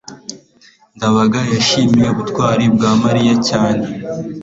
ndabaga yishimiye ubutwari bwa mariya cyane